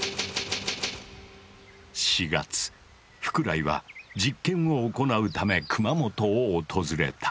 ４月福来は実験を行うため熊本を訪れた。